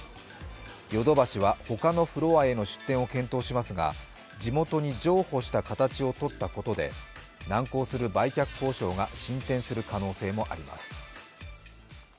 ヨドバシは他のフロアへの出店も検討しますが地元に譲歩した形を取ったことで、難航する売却交渉が進展する可能性があります。